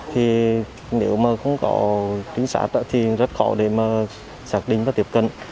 thì nếu mà không có chính xác thì rất khó để mà giác định và tiếp cận